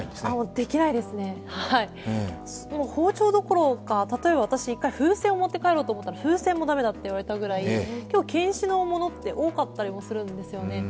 できないですね、包丁どころか、例えば私、風船を持って帰ろうと思ったら風船も駄目だと言われたぐらい、禁止のものが多かったりもするんですよね。